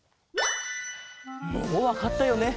もうわかったよね？